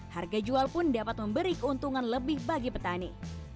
harga jual pun dapat memberi keuntungan lebih bagi petani